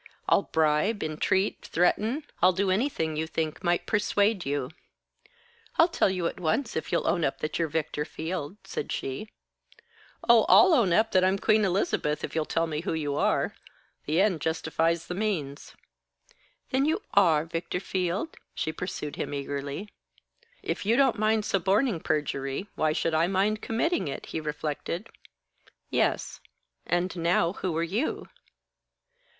I'll bribe, entreat, threaten I'll do anything you think might persuade you." "I'll tell you at once, if you'll own up that you're Victor Field," said she. "Oh, I'll own up that I'm Queen Elizabeth if you'll tell me who you are. The end justifies the means." "Then you are Victor Field?" she pursued him eagerly. "If you don't mind suborning perjury, why should I mind committing it?" he reflected. "Yes. And now, who are you?"